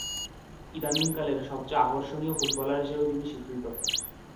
ইদানীং কালের সবচেয়ে আকর্ষনীয় ফুটবলার হিসেবে তিনি স্বীকৃত।